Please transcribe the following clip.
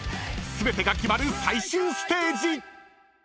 ［全てが決まる最終ステージ！］